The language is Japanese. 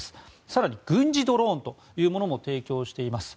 更に軍事ドローンというものも提供しています。